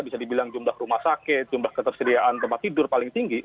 bisa dibilang jumlah rumah sakit jumlah ketersediaan tempat tidur paling tinggi